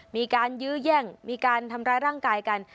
มีการยื้อแย่งมีการทำร้ายร่างกายกัน